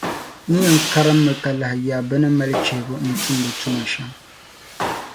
N yɛn karimmi ka lahi yaai bԑ ni mali chihibu n-tumdi tuma shԑm.